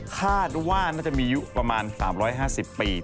คาดว่าน่าจะมีอายุประมาณ๓๕๐ปี